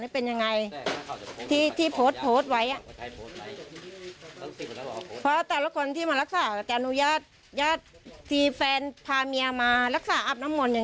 เป็นยังไงที่ที่โพสต์ไว้เพราะแต่ละคนที่มารักษาแต่อนุญาตยอดที่แฟนพาเมียมารักษาอับน้ำมนต์อย่าง